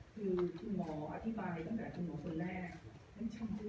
คือคุณหมออธิบายตั้งแต่คุณหมอคนแรก